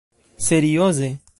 serioze